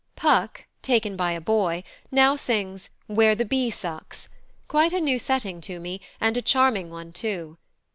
Puck, taken by a boy, now sings, "Where the bee sucks" quite a new setting to me, and a charming one, too.